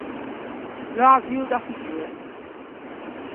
L’ò avuo da figgeu.